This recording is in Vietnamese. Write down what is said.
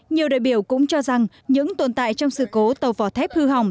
nhiều đại biểu cũng cho rằng những tồn tại trong sự cố tàu vỏ thép hư hỏng